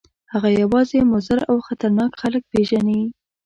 هغه یوازې مضر او خطرناک خلک پېژني.